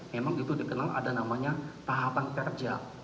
memang itu dikenal ada namanya tahapan kerja